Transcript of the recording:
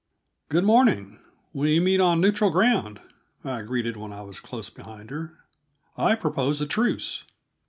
"Good morning. We meet on neutral ground," I greeted when I was close behind her. "I propose a truce."